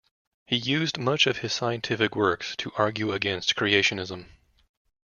He used much of his scientific works to argue against creationism.